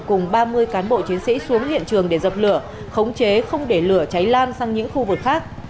cùng ba mươi cán bộ chiến sĩ xuống hiện trường để dập lửa khống chế không để lửa cháy lan sang những khu vực khác